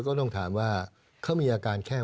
ก็ต้องถามว่าเขามีอาการแข้ง